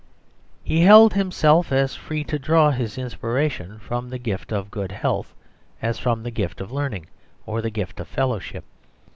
He held himself as free to draw his inspiration from the gift of good health as from the gift of learning or the gift of fellowship.